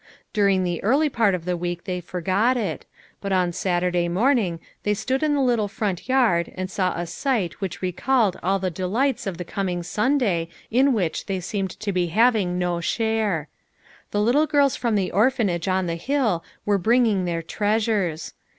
During the early part of the week they forgot it, but on Saturday morning they stood in the little front yard and saw a sight which recalled all the de lights of the coming Sunday in which they seemed to be having no share. The little girls from the Orphanage on the hill were bringing their treasures.